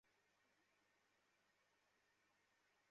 তাদের দেওয়া চেকে নামবিভ্রাট ঘটায় তারা অনুদানের টাকা তুলতে পারছে না।